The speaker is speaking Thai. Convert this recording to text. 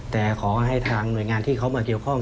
แต่ขอให้ทางหน่วยงานที่เขามาเกี่ยวข้อง